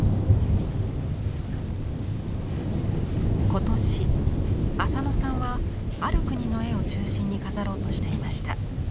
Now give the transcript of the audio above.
今年浅野さんはある国の絵を中心に飾ろうとしていました。